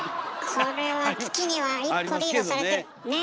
これは月には一歩リードされてるねえ？